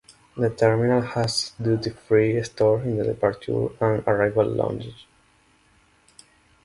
The terminal has duty-free stores in the departure and arrival lounges.